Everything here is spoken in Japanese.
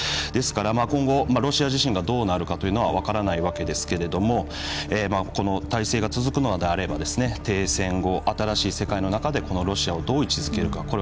ですから今後ロシア自身がどうなるかというのは分からないわけですけれどもこの体制が続くのであれば停戦後新しい世界の中でこのロシアをどう位置づけるか。